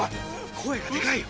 声がでかいよ。